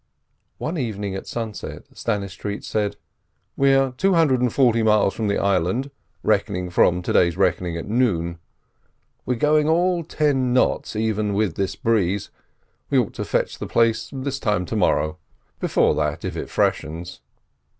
One evening at sunset, Stannistreet said: "We're two hundred and forty miles from the island, reckoning from to day's reckoning at noon. We're going all ten knots even with this breeze; we ought to fetch the place this time to morrow. Before that if it freshens."